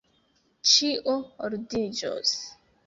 Ĉio ordiĝos!